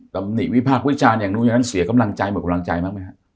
ต่ำหนิวิหาควิจารณ์อย่างโน้นอาจสีแข็งสีกำลังใจเหมือนกำลังใจมากเมื่อฮะ